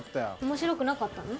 面白くなかったの？